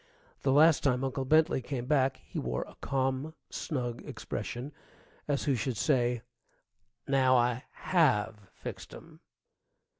The last time Uncle Bentley came back he wore a calm, snug expression, as who should say, "Now I have fixed 'em!"